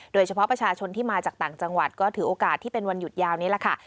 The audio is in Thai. โดยเฉพาะประชาชนที่มาจากต่างจังหวัดก็ถือโอกาสที่เป็นวันหยุดยาวนี้แหละค่ะ